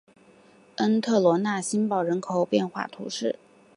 恩特罗讷新堡人口变化图示